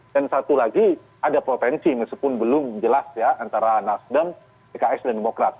dan satu lagi ada provinsi meskipun belum jelas ya antara nasdem pks dan demokrat